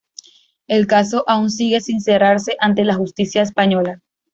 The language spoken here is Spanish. El caso aún sigue sin cerrarse ante la Justicia española.